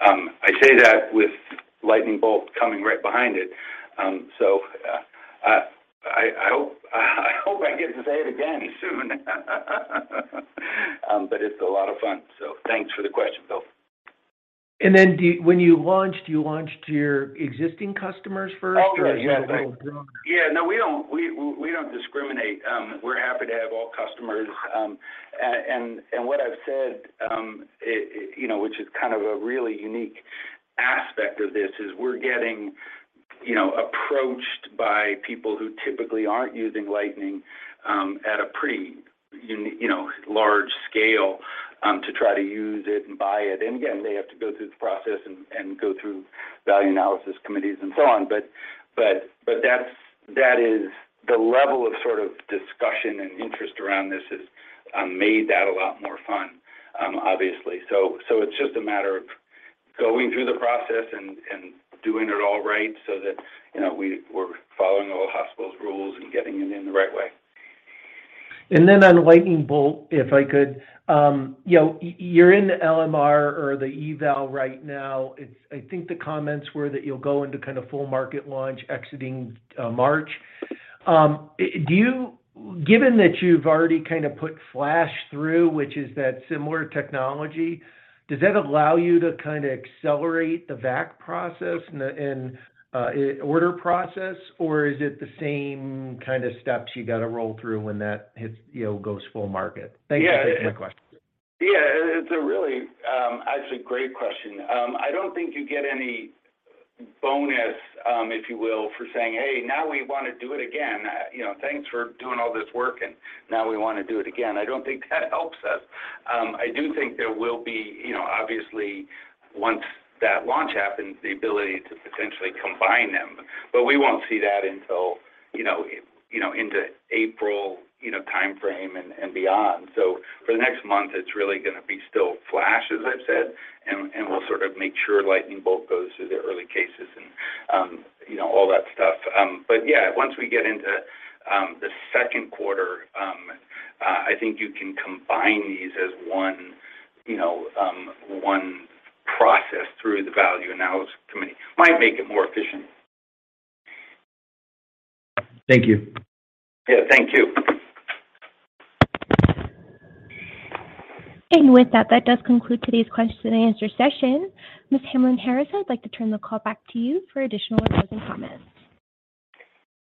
I say that with Lightning Bolt coming right behind it. I hope I get to say it again soon. It's a lot of fun, so thanks for the question, Bill. When you launched, you launched your existing customers first or is it a little broader? Oh, yeah. Yeah, no, we don't, we don't discriminate. We're happy to have all customers. And what I've said, it, you know, which is kind of a really unique aspect of this is we're getting, you know, approached by people who typically aren't using Lightning at a pretty large scale to try to use it and buy it. Again, they have to go through the process and go through value analysis committees and so on. That is the level of sort of discussion and interest around this has made that a lot more fun, obviously. It's just a matter of going through the process and doing it all right so that, you know, we're following all the hospital's rules and getting it in the right way. On Lightning Bolt, if I could, you know, you're in LMR or the eval right now. I think the comments were that you'll go into kind of full market launch exiting March. Given that you've already kind of put Flash through, which is that similar technology, does that allow you to kinda accelerate the VAC process and the order process, or is it the same kind of steps you gotta roll through when that hits, you know, goes full market? Thank you. Yeah. That's my question. Yeah. It's a really, actually great question. I don't think you get any bonus, if you will, for saying, "Hey, now we wanna do it again. You know, thanks for doing all this work, and now we wanna do it again." I don't think that helps us. I do think there will be, you know, obviously, once that launch happens, the ability to potentially combine them, but we won't see that until, you know, into April, you know, timeframe and beyond. For the next month, it's really gonna be still Flash, as I've said, and we'll sort of make sure Lightning Bolt goes through the early cases and, you know, all that stuff. Yeah, once we get into the second quarter, I think you can combine these as one process through the value analysis committee. Might make it more efficient. Thank you. Yeah. Thank you. With that does conclude today's question-and-answer session. Ms. Hamlyn-Harris, I'd like to turn the call back to you for additional closing comments.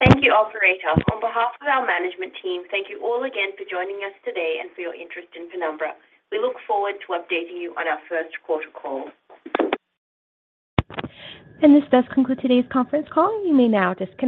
Thank you, operator. On behalf of our management team, thank you all again for joining us today and for your interest in Penumbra. We look forward to updating you on our first quarter call. This does conclude today's conference call. You may now disconnect.